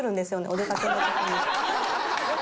お出かけの時に。